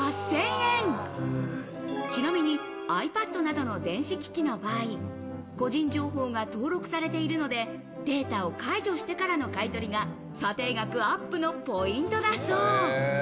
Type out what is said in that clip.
ちなみにｉＰａｄなどの電子機器の場合、個人情報が登録されているので、データを解除してからの買い取りが査定額アップのポイントだそう。